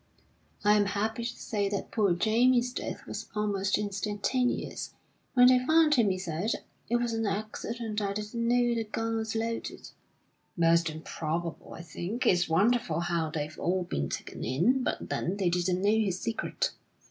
"I am happy to say that poor Jamie's death was almost instantaneous. When they found him he said: 'It was an accident; I didn't know the gun was loaded.' (Most improbable, I think. It's wonderful how they've all been taken in; but then they didn't know his secret!)